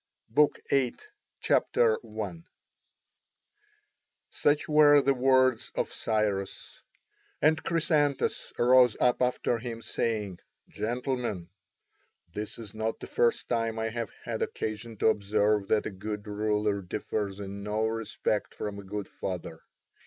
BOOK VIII [C.1] Such were the words of Cyrus; and Chrysantas rose up after him, saying, "Gentlemen, this is not the first time I have had occasion to observe that a good ruler differs in no respect from a good father.